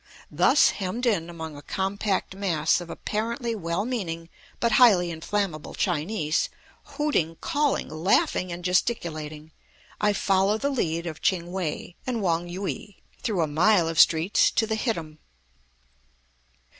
Thus hemmed in among a compact mass of apparently well meaning, but highly inflammable Chinese, hooting, calling, laughing, and gesticulating, I follow the lead of Ching We and Wong Yup through a mile of streets to the hittim.